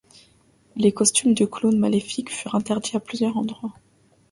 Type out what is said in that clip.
Les costumes de clowns maléfiques furent interdits à plusieurs endroits.